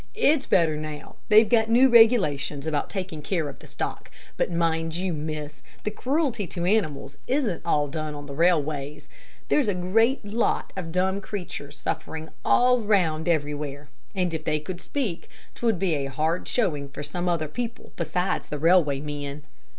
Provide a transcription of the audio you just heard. "It's better now. They've got new regulations about taking care of the stock; but mind you, miss, the cruelty to animals isn't all done on the railways. There's a great lot of dumb creatures suffering all round everywhere, and if they could speak, 'twould be a hard showing for some other people besides the railway men."